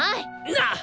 なっ！